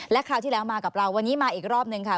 คราวที่แล้วมากับเราวันนี้มาอีกรอบนึงค่ะ